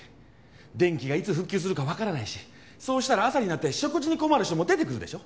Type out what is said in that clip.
電気がいつ復旧するかわからないしそうしたら朝になって食事に困る人も出てくるでしょ。